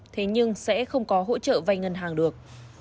thế nhưng sẽ không có hỗ trợ vay ngân hàng được